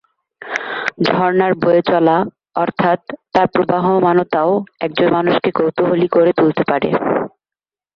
ঝর্ণার বয়ে চলা, অর্থাত্ তার প্রবহমানতাও একজন মানুষকে কৌতূহলী করে তুলতে পারে।